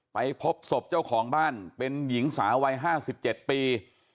ไปพบศพเจ้าของบ้านเป็นหญิงสาววัย๕๗ปี